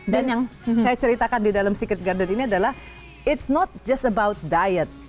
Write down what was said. dan yang saya ceritakan di dalam secret garden ini adalah it's not just about diet